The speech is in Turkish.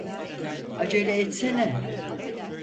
Acele etsene!